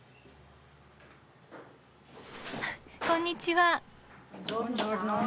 こんにちは。